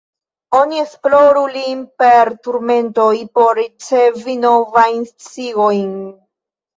Oni esploru lin per turmentoj, por ricevi novajn sciigojn.